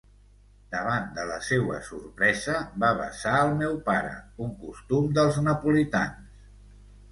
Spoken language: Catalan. Davant de la seua sorpresa, va besar el meu pare, un costum dels napolitans.